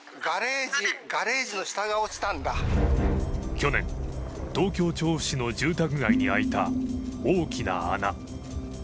去年、東京・調布市の住宅街に開いた大きな穴。